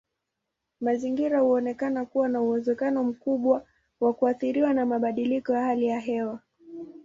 Mazingira huonekana kuwa na uwezekano mkubwa wa kuathiriwa na mabadiliko ya hali ya hewa.